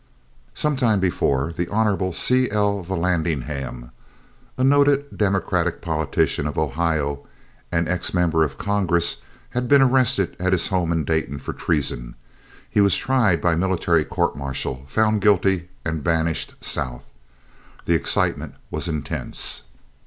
Some time before the Hon. C. L. Vallandigham, a noted Democratic politician of Ohio, and an ex member of Congress, had been arrested at his home in Dayton for treason. He was tried by military court martial, found guilty, and banished South. The excitement was intense.